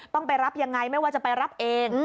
ต้องไปรับยังไงไม่ว่าจะไปรับเอง